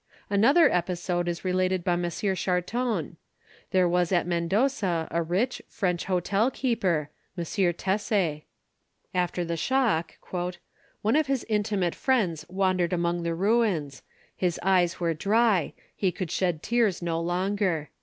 Another episode is related by M. Charton: There was at Mendoza a rich, French hotel keeper, M. Tesser. After the shock, "one of his intimate friends wandered among the ruins. His eyes were dry: he could shed tears no longer.